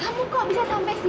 aku kok bisa sampai sini